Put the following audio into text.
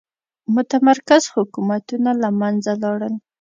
متمرکز حکومتونه له منځه لاړل.